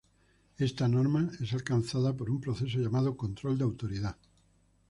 Esta norma es alcanzada por un proceso llamado control de autoridad.